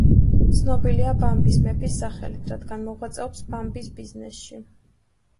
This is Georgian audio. ცნობილია „ბამბის მეფის“ სახელით, რადგან მოღვაწეობს ბამბის ბიზნესში.